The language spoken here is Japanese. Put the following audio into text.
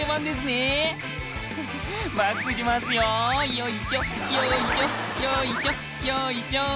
よいしょよいしょよいしょよいしょ。